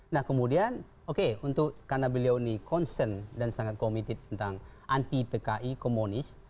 nah kemudian oke untuk karena beliau ini concern dan sangat committed tentang anti pki komunis